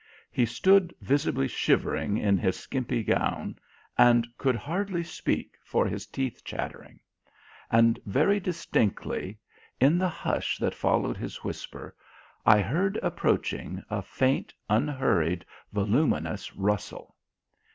He stood visibly shivering in his skimpy gown, and could hardly speak for his teeth chattering. And very distinctly, in the hush that followed his whisper, I heard approaching a faint unhurried voluminous rustle.